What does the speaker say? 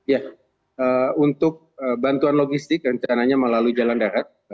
ya untuk bantuan logistik rencananya melalui jalan darat